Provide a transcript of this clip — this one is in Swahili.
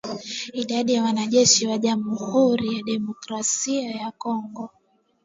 Idadi ya wanajeshi wa Jamhuri ya kidemokrasia ya Kongo